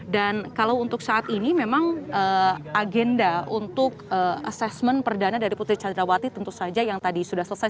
dan kalau untuk saat ini memang agenda untuk asesmen perdana dari putri candrawati tentu saja yang tadi sudah selesai